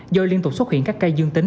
do liên tục xuất hiện các cây dương tính